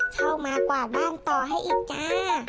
เข้ามากวาดบ้านต่อให้อีกจ้า